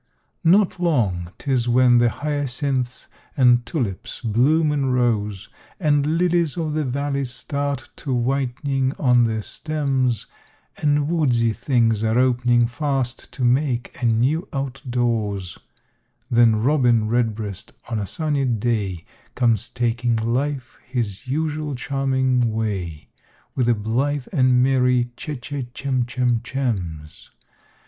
Not long, 'tis when the hyacinths and tulips bloom in rows, And lilies of the valley start to whitening on their stems, And woodsy things are opening fast to make a new out' doors, Then robin redbreast on a sunny day Comes taking life his usual charming way, With a blithe and merry Che che chem chem chems!